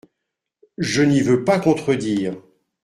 Je n'y veux pas contredire.